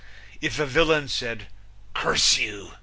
If a villain said "Curse you!"